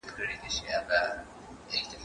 هغه وويل چي انځور روښانه دی!.